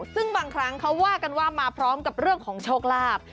ซึ่งบางครั้งเขาว่ากันว่ามาพร้อมกับเรื่องของโชคลาภ